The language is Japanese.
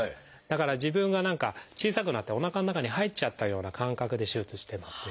だから自分が何か小さくなっておなかの中に入っちゃったような感覚で手術してますね。